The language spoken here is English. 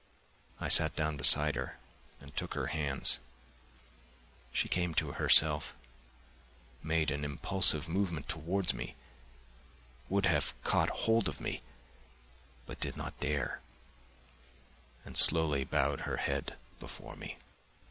I sat down beside her and took her hands; she came to herself, made an impulsive movement towards me, would have caught hold of me, but did not dare, and slowly bowed her head before me.